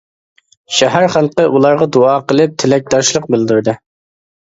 شەھەر خەلقى ئۇلارغا دۇئا قىلىپ، تىلەكداشلىق بىلدۈردى.